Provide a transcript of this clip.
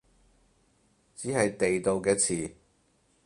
只係地道嘅詞